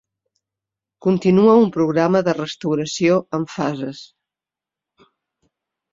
Continua un programa de restauració en fases.